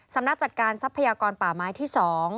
นักจัดการทรัพยากรป่าไม้ที่๒